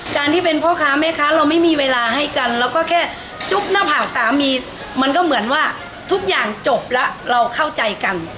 การที่เป็นพ่อค้าแม่ค้าเราไม่มีเวลาให้กันเราก็แค่จุ๊บหน้าผากสามีมันก็เหมือนว่าทุกอย่างจบแล้วเราเข้าใจกัน